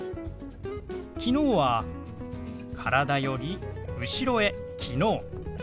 「きのう」は体より後ろへ「きのう」。